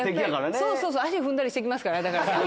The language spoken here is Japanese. そうそう、足踏んだりしてきますから。